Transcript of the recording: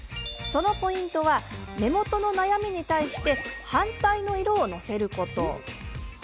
そのポイントは目元の悩みに対して反対の色をのせること。